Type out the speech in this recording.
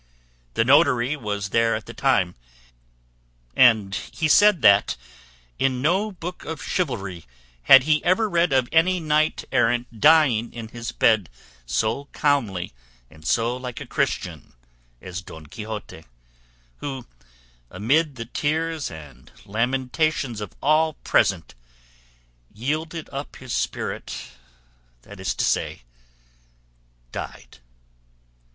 The notary was there at the time, and he said that in no book of chivalry had he ever read of any knight errant dying in his bed so calmly and so like a Christian as Don Quixote, who amid the tears and lamentations of all present yielded up his spirit, that is to say died.